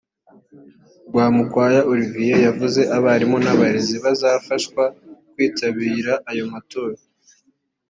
Rwamukwaya Olivier yavuze abarimu n’abarezi bazafashwa kwitabira ayo matora